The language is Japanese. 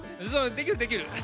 できるできる。